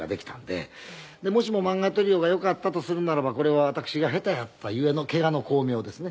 もしも漫画家トリオがよかったとするならばこれは私が下手やった故のケガの功名ですね。